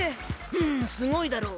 フンすごいだろう。